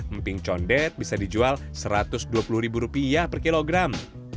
emping condet bisa dijual rp satu ratus dua puluh ribu rupiah per kilogram